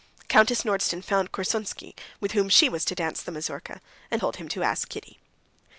Countess Nordston found Korsunsky, with whom she was to dance the mazurka, and told him to ask Kitty.